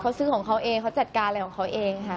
เขาซื้อของเขาเองเขาจัดการอะไรของเขาเองค่ะ